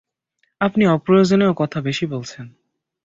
আপনি অপ্রয়োজনীয় কথা বেশি বলছেন।